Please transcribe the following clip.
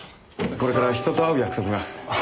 これから人と会う約束が。